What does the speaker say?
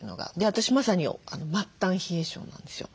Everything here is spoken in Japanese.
私まさに末端冷え性なんですよ。